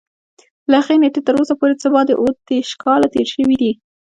له هغې نېټې تر اوسه پورې څه باندې اووه دېرش کاله تېر شوي دي.